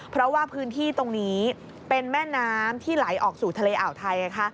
เพราะว่าพื้นที่ตรงนี้เป็นแม่น้ำที่ไหลออกสู่ทะเลอ่าวไทย